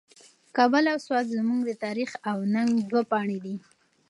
کابل او سوات زموږ د تاریخ او ننګ دوه پاڼې دي.